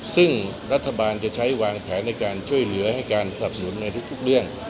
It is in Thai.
ซึ่งรัฐบาลจะใช้วางแผนในการช่วยเหลือให้การสับหนุนในทุกเรื่อง